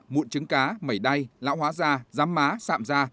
mụn trứng cá mẩy đay lão hóa da giám má sạm da